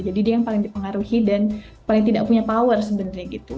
jadi dia yang paling dipengaruhi dan paling tidak punya power sebenarnya gitu